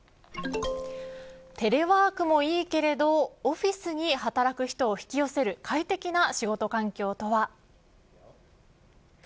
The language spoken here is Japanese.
テレワークもいいけれどオフィスに働く人を引き寄せる快適な仕事環境とは。